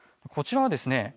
こちらはですね